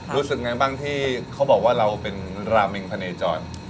รู้สึกไงบ้างที่เขาบอกว่าเราเป็นราเมงพะเนจร